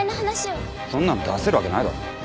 そんなん出せるわけないだろ。